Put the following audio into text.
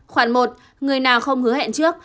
khoảng một người nào không hứa hẹn trước